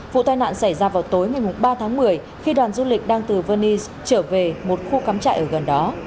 vụ tai nạn xảy ra vào tối ngày ba tháng một mươi khi đoàn du lịch đang từ venice trở về một khu cắm trại ở gần đó